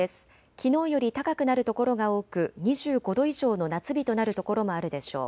きのうより高くなる所が多く２５度以上の夏日となる所もあるでしょう。